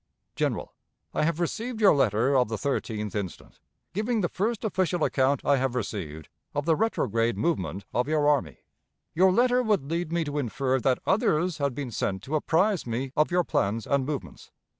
"General: I have received your letter of the 13th instant, giving the first official account I have received of the retrograde movement of your army. "Your letter would lead me to infer that others had been sent to apprise me of your plans and movements.